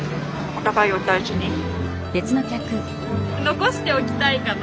残しておきたいかな。